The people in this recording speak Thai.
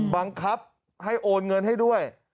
บังคับให้โอนเงินให้ด้วย